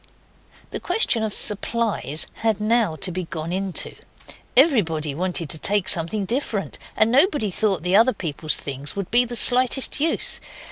The question of supplies had now to be gone into. Everybody wanted to take something different, and nobody thought the other people's things would be the slightest use.